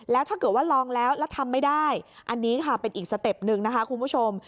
แล้วถ้าเกิดว่าลองแล้วแล้วทำไม่ได้อันนี้ค่ะเป็นอีกสเต็ปหนึ่งนะคะคุณผู้ชม